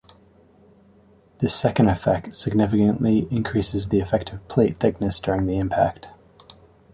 This second effect significantly increases the effective plate thickness during the impact.